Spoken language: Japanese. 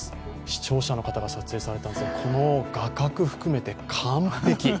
視聴者の方が撮影されたもの画角も含めて完璧。